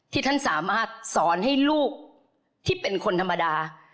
ท่านสามารถสอนให้ลูกที่เป็นคนธรรมดา